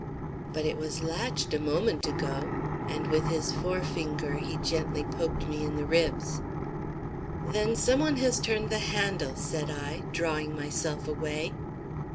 "But it was latched a moment ago," and with his forefinger he gently poked me in the ribs. "Then someone has turned the handle," said I, drawing myself away.